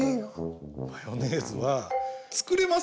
マヨネーズはつくれます！